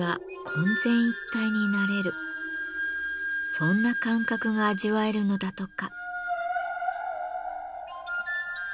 そんな感覚が味わえるのだとか。